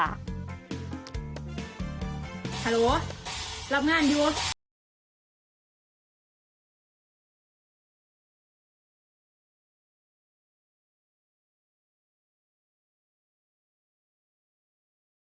ฮัลโหลรับงานดู